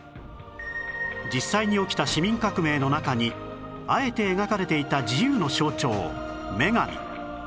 実際に起きた市民革命の中にあえて描かれていた自由の象徴女神